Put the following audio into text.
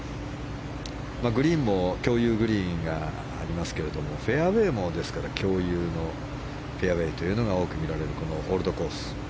グリーンも共有グリーンがありますけれどもフェアウェーも共有のフェアウェーというのが多く見られるオールドコース。